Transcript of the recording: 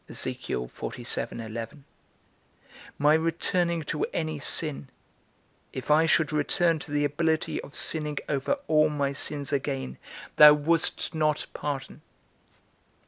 My returning to any sin, if I should return to the ability of sinning over all my sins again, thou wouldst not pardon.